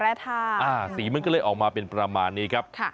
สีมันก็เลยออกมาเป็นประมาณนี้ครับ